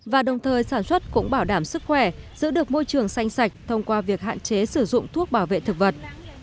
và đồng thời sản xuất cũng bảo đảm sức khỏe giữ được môi trường xanh sạch thông qua việc hạn chế sử dụng thuốc bảo vệ thực vật